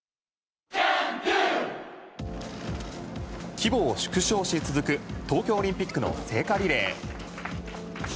規模を縮小し続く東京オリンピックの聖火リレー。